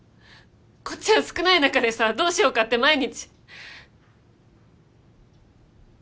こっちは少ない中でさどうしようかって毎日。